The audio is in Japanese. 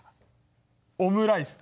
オムライス。